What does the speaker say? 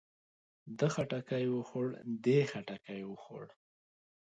ده خټکی وخوړ. دې خټکی وخوړ.